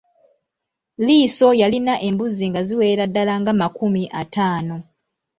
Liiso yalina embuzi nga ziwerera ddala nga makumi ataano.